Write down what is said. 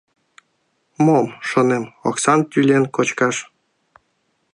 Мом, шонем, оксам тӱлен кочкаш?